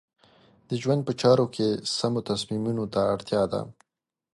د ژوند په چارو کې سمو تصمیمونو ته اړتیا ده.